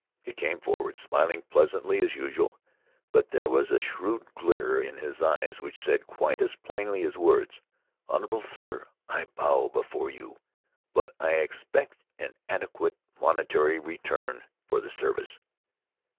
He came forward, smiling pleasantly as usual, but there was a shrewd glitter in his eyes which said, quite as plainly as words, "Honorable sir, I bow before you, but I expect an adequate monetary return for the service."